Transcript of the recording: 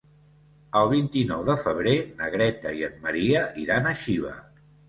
El vint-i-nou de febrer na Greta i en Maria iran a Xiva.